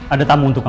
ada tamu untuk kamu